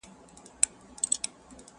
نه له درملو نه توري تښتې؛